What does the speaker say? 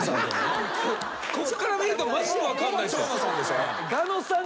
こっから見るとマジで分かんないっすよ。